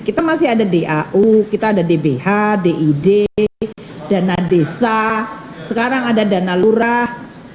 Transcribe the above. kita masih ada dau kita ada dbh did dana desa sekarang ada dana lurah